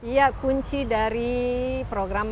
ya kunci dari program